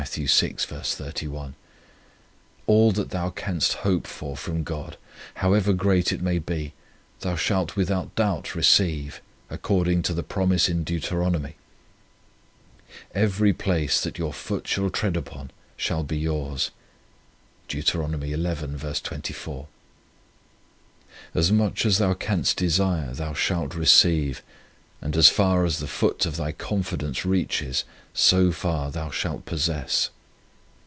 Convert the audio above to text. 3 All that thou canst hope for from God, however great it may be, thou shalt without doubt receive, according to the promise in Deuteronomy :" Every place that your foot shall tread upon shall be yours." 4 As much as thou canst desire thou shalt receive, and as far as the foot of thy con fidence reaches, so far thou shalt possess.